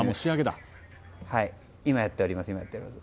今やっております。